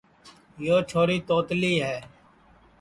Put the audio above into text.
یو چھوری توتلی ہے